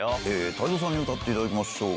泰造さんに歌っていただきましょう。